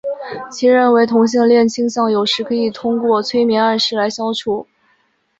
其认为同性恋倾向有时可以通过催眠暗示来消除。